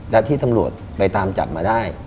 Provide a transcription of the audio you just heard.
และที่ตำรวจไปตามจับมาได้